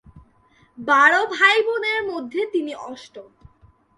বারো ভাইবোনের মধ্যে তিনি অষ্টম।